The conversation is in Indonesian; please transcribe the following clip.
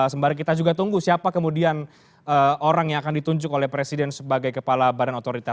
sembari kita juga tunggu siapa kemudian orang yang akan ditunjuk oleh presiden sebagai kepala badan otorita